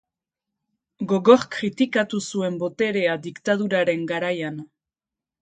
Gogor kritikatu zuen boterea diktaduraren garaian.